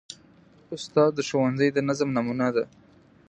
استاد د ښوونځي د نظم نمونه ده.